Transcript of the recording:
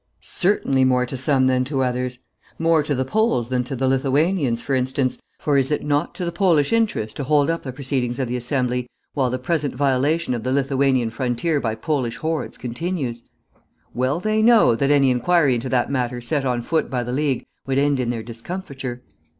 "Certainly more to some than to others. More to the Poles than to the Lithuanians, for instance, for is it not to the Polish interest to hold up the proceedings of the Assembly while the present violation of the Lithuanian frontier by Polish hordes continues? Well they know that any inquiry into that matter set on foot by the League would end in their discomfiture.